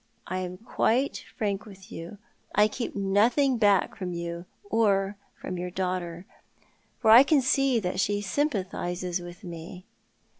I am quite frank with you. I keep nothing back from you or from your daughter, for I can see that she sympathises with me."